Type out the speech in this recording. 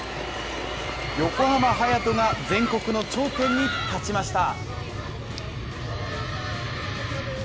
横浜隼人が全国の頂点に立ちました。